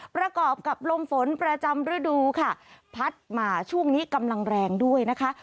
ประกอบกับลมฝนประจำฤดูค่ะพัดมาช่วงนี้กำลังแรงด้วยนะคะ